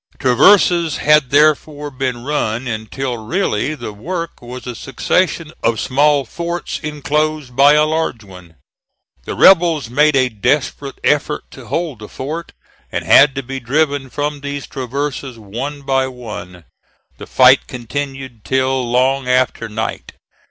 Traverses had, therefore, been run until really the work was a succession of small forts enclosed by a large one. The rebels made a desperate effort to hold the fort, and had to be driven from these traverses one by one. The fight continued till long after night.